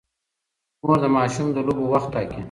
مور د ماشوم د لوبو وخت ټاکي.